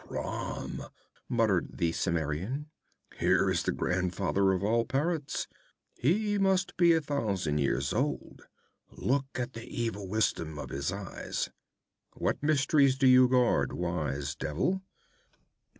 'Crom!' muttered the Cimmerian. 'Here is the grandfather of all parrots. He must be a thousand years old! Look at the evil wisdom of his eyes. What mysteries do you guard, Wise Devil?'